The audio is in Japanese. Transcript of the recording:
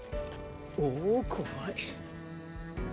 おお怖い。